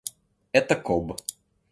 Это коб.